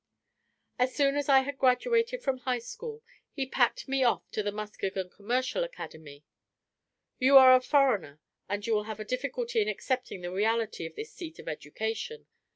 As soon as I had graduated from the high school, he packed me off to the Muskegon Commercial Academy. You are a foreigner, and you will have a difficulty in accepting the reality of this seat of education.